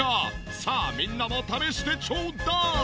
さあみんなも試してちょうだい！